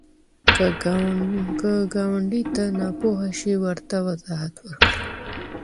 که ګاونډي ته ناپوهه شي، ورته وضاحت ورکړه